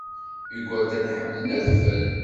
Igerdan ḥemmlen adfel.